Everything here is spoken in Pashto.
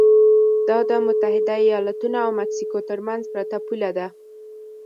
دا د متحده ایالتونو او مکسیکو ترمنځ پرته پوله ده.